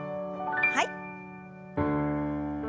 はい。